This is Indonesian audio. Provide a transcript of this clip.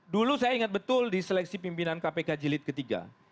dulu saya ingat betul di seleksi pimpinan kpk jilid ketiga